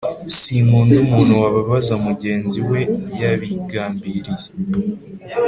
sinkunda umuntu wababaza mugenzi we yabigambiriye